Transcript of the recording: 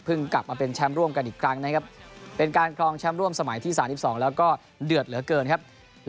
กลับมาเป็นแชมป์ร่วมกันอีกครั้งนะครับเป็นการครองแชมป์ร่วมสมัยที่๓๒แล้วก็เดือดเหลือเกินครับ